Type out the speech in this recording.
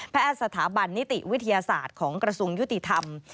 สถาบันนิติวิทยาศาสตร์ของกระทรวงยุติธรรม